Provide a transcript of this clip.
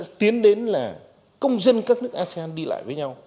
thế mà tiến đến là công dân các nước asean đi lại với nhau